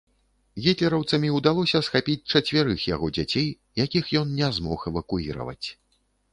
Гітлераўцамі ўдалося схапіць чацвярых яго дзяцей, якіх ён не змог эвакуіраваць.